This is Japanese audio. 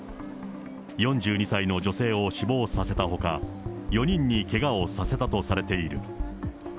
４２歳の女性を死亡させたほか、４人にけがをさせたとされている。